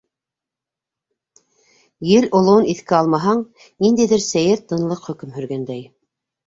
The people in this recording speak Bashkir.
Ел олоуын иҫкә алмаһаң, ниндәйҙер сәйер тынлыҡ хөкөм һөргәндәй.